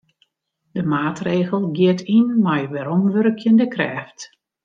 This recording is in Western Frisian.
De maatregel giet yn mei weromwurkjende krêft.